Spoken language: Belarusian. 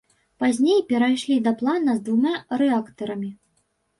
Пазней перайшлі да плана з двума рэактарамі.